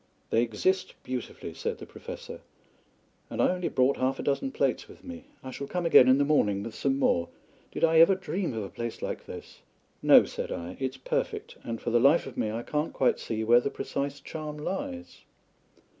"They exist beautifully," said the Professor; "and I only brought half a dozen plates with me. I shall come again in the morning with some more. Did I ever dream of a place like this?" "No," said I. "It's perfect, and for the life of me I can't quite see where the precise charm lies."